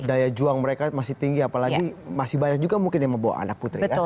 daya juang mereka masih tinggi apalagi masih banyak juga mungkin yang membawa anak putri kan